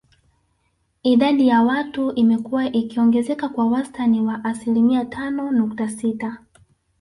Idadi ya watu imekua ikiongezeka kwa wastani wa asilimia tano nukta sita